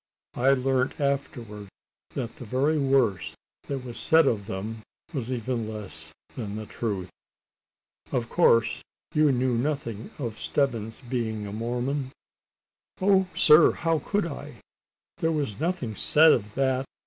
I learnt afterwards that the very worst that was said of them was even less than the truth." "Of course, you knew nothing of Stebbins being a Mormon?" "Oh! sir, how could I? There was nothing said of that.